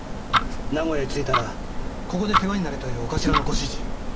名古屋へ着いたらここで世話になれという長官のご指示。